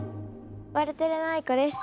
ワルテレのあいこです。